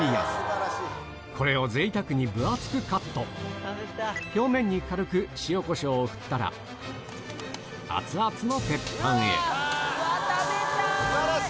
これをぜいたくに分厚くカット表面に軽く塩コショウを振ったら熱々の鉄板へ食べたい！